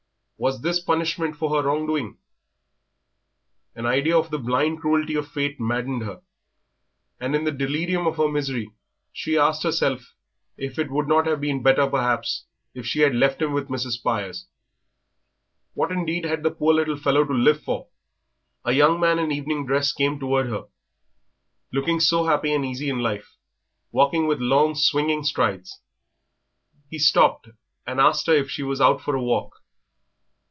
Was this punishment for her wrong doing? An idea of the blind cruelty of fate maddened her, and in the delirium of her misery she asked herself if it would not have been better, perhaps, if she had left him with Mrs. Spires. What indeed had the poor little fellow to live for? A young man in evening dress came towards her, looking so happy and easy in life, walking with long, swinging strides. He stopped and asked her if she was out for a walk.